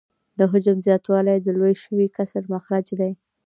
د حجم زیاتوالی د لوی شوي کسر مخرج دی